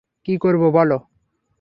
কী করবে বলো?